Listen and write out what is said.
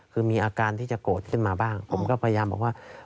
คือมีอาการที่จะโกรธขึ้นมาบ้างผมก็พยายามบอกว่า